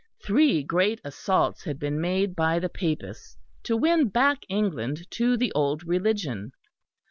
Three great assaults had been made by the Papists to win back England to the old Religion.